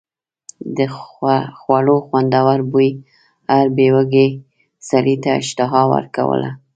د خوړو خوندور بوی هر بې وږي سړي ته اشتها ورکوله.